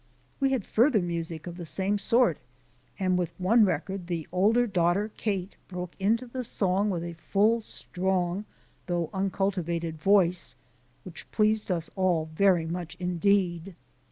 We had further music of the same sort and with one record the older daughter, Kate, broke into the song with a full, strong though uncultivated voice which pleased us all very much indeed.